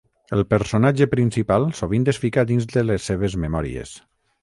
El personatge principal sovint es fica dins de les seves memòries.